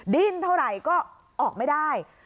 ดิ้นเท่าไหร่ก็ออกไม่ได้